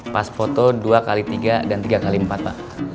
pas foto dua x tiga dan tiga x empat pak